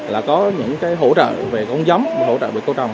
là có những hỗ trợ về công giấm hỗ trợ về công tròng